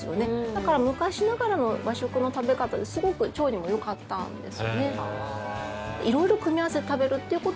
だから昔ながらの和食の食べ方はすごく腸にもよかったんです。